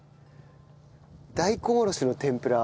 大根おろしの天ぷら。